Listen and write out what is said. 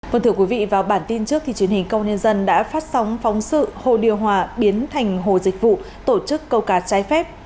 vâng thưa quý vị vào bản tin trước thì truyền hình công nhân đã phát sóng phóng sự hồ điều hòa biến thành hồ dịch vụ tổ chức câu cá trái phép